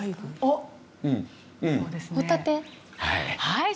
はい。